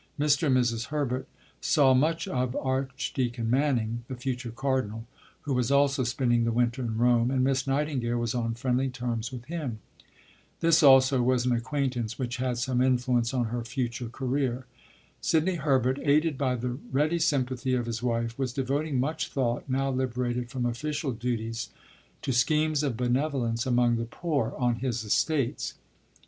Mr. and Mrs. Herbert saw much of Archdeacon Manning (the future cardinal), who was also spending the winter in Rome, and Miss Nightingale was on friendly terms with him. This also was an acquaintance which had some influence on her future career. Sidney Herbert, aided by the ready sympathy of his wife, was devoting much thought, now liberated from official duties, to schemes of benevolence among the poor on his estates.